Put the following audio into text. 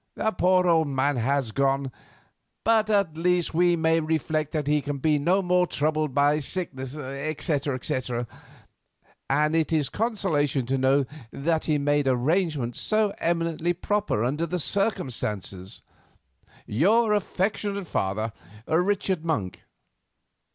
The poor man has gone, but at least we may reflect that he can be no more troubled by sickness, etc., and it is a consolation to know that he has made arrangements so eminently proper under the circumstances. "Your affectionate father, "RICHARD MONK.